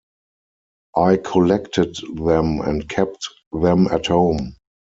I collected them and kept them at home.